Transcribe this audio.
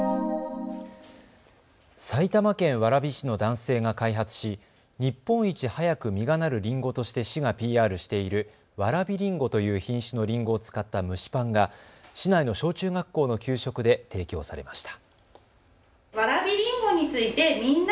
埼玉県蕨市の男性が開発し日本一早く実がなるりんごとして市がＰＲしているわらびりんごという品種のりんごを使った蒸しパンが市内の小中学校の給食で提供されました。